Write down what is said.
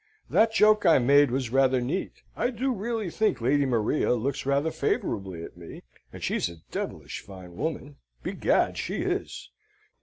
"That joke I made was rather neat. I do really think Lady Maria looks rather favourably at me, and she's a dev'lish fine woman, begad she is!"